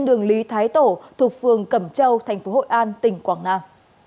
đường lý thái tổ thuộc phường cẩm châu thành phố hội an tỉnh quảng nam